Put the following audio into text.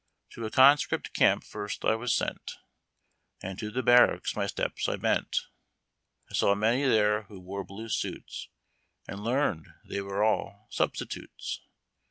To a conscript camp first I was sent And to the barracks my steps I bent. I saw many there who wore blue suits. And learned they were all substitutes.